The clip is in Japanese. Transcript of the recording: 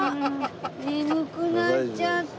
眠くなっちゃった。